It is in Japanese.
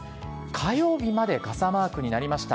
火曜日まで傘マークになりました。